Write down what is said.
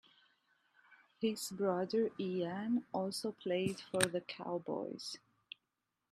His brother, Ian, also played for the Cowboys.